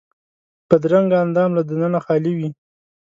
بدرنګه اندام له دننه خالي وي